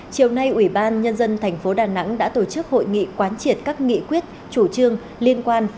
chiều nay ủy ban nhân dân thành phố đà nẵng đã tổ chức hội nghị quán triệt các nghị quyết chủ trương liên quan